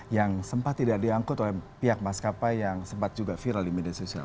yang sempat tidak diangkut oleh pihak maskapai yang sempat juga viral di media sosial